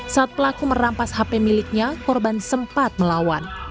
saat pelaku merampas hp miliknya korban sempat melawan